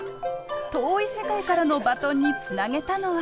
遠い世界からのバトンにつなげたのは。